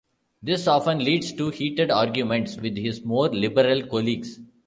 This often leads to heated arguments with his more liberal colleagues.